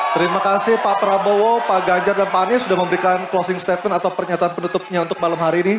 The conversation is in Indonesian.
terima kasih pak prabowo pak ganjar dan pak anies sudah memberikan closing statement atau pernyataan penutupnya untuk malam hari ini